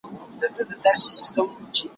قاضي پخپله خرې نيولې، نورو ته ئې پند ورکاوه.